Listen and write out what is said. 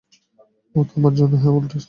ও তোমার জন্য high voltage.